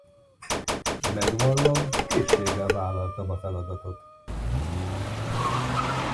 Megvallom, készséggel vállaltam a feladatot.